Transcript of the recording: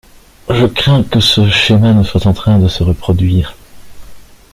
Je crains que ce schéma ne soit en train de se reproduire.